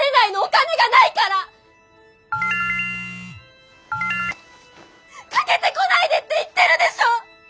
かけてこないでって言ってるでしょ！